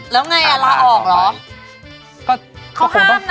แล้วไงลาออกเหรอ